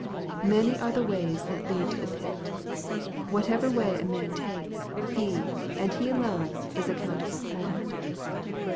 Many are the ways that lead to the pit. Whatever way a man takes, he, and he alone, is accountable for it.